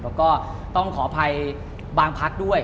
แล้วก็ต้องขออภัยบางพักด้วย